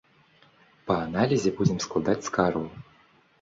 Па аналізе будзем складаць скаргу.